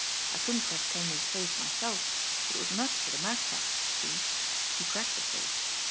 I couldn't crack Kenleigh's safe myself, but it was nuts for the Magpie see? He cracked the safe.